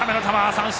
三振。